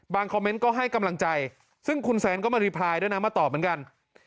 คอมเมนต์ก็ให้กำลังใจซึ่งคุณแซนก็มารีพลายด้วยนะมาตอบเหมือนกัน